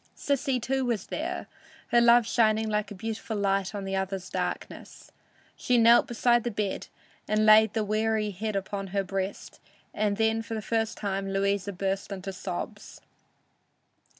Sissy, too, was there, her love shining like a beautiful light on the other's darkness. She knelt beside the bed and laid the weary head on her breast, and then for the first time Louisa burst into sobs.